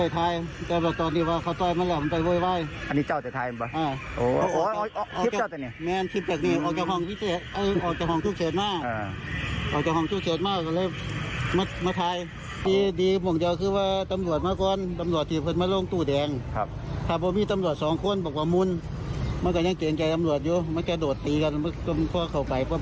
ตำรวจอยู่มันก็โดดตีกันมันก็เข้าไปเพราะมันก็ได้แยก